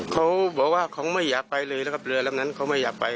เขาบอกว่าเขาไม่อยากไปเลยนะครับเรือลำนั้นเขาไม่อยากไป